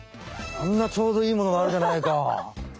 あんなちょうどいいものがあるじゃないか！